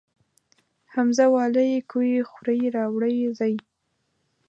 همزه واله ئ کوئ خورئ راوړئ ځئ